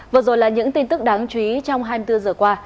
vừa rồi là những tin tức đáng chú ý trong hai mươi bốn giờ qua